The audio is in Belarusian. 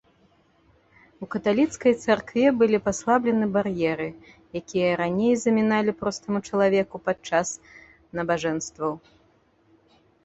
У каталіцкай царкве былі паслаблены бар'еры, якія раней заміналі простаму чалавеку падчас набажэнстваў.